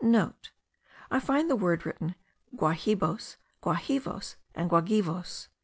*(* I find the word written Guajibos, Guahivos, and Guagivos.